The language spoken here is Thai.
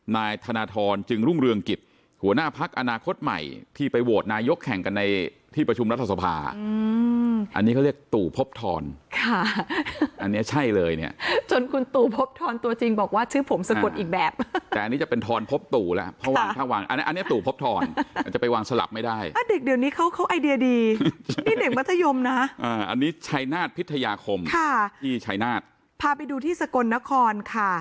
นายทานะธรมจึงรุ้งเรืองกฤทธิ์หัวหน้าพลักษณ์อนาคตใหม่ที่ไปโหวดนายยกแข่งกันในที่ประชุมรัฐสภาอันนี้เขาเรียกตู่ภพธรท